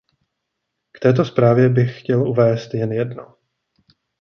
K této zprávě bych chtěl uvést jen jedno.